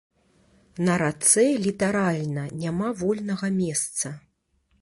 На рацэ літаральна няма вольнага месца.